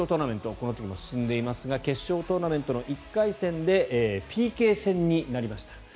この時も進んでいますが決勝トーナメントの１回戦でＰＫ戦になりました。